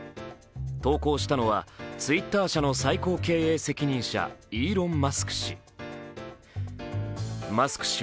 投稿したのはＴｗｉｔｔｅｒ社の最高経営責任者、イーロン・マスク氏。